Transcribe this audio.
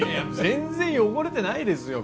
全然汚れてないですよ